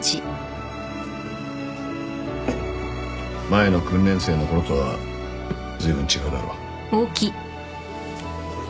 前の訓練生の頃とはずいぶん違うだろ？